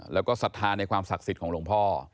แล้วก็ศรัทธาในความศักดิ์สิทธิ์ของหลวงพ่อ